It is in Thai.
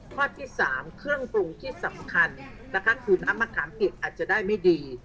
ข้อที่๓เครื่องปรุงที่สำคัญนะคะคือน้ำมะขามเปียกอาจจะได้ไม่ดี